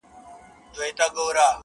و موږ ته يې د زلفو ښاماران مبارک